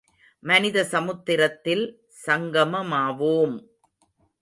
மனித சமுத்திரத்தில் சங்கமமாவோம்!